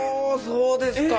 そうですか！